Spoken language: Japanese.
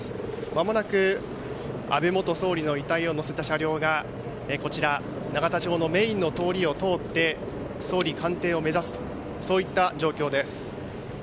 まもなく、安倍元総理の遺体を乗せた車両がこちら永田町のメインの通りを通って総理官邸を目指すという状況です。